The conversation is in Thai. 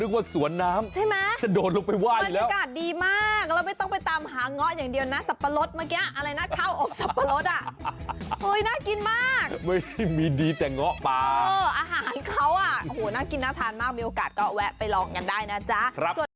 ขอบคุณครับ